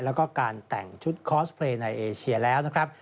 แล้วก็การแต่งชุดคอสเพลย์ในเอเชียแล้วนะครับ